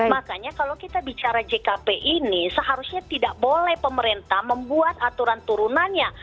makanya kalau kita bicara jkp ini seharusnya tidak boleh pemerintah membuat aturan turunannya